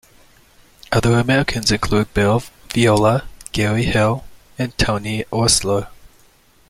Other Americans include Bill Viola, Gary Hill and Tony Oursler.